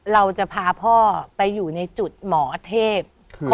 เราจะพาพ่อไปอยู่ในจุดหมอเทพ